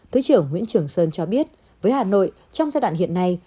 thứ trưởng nguyễn trường sơn cho biết với hà nội trong giai đoạn hiện nay